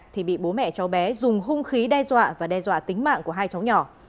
thì bị bố mẹ cháu bé dùng hung khí đe dọa và đe dọa tính mạng của hai cháu nhỏ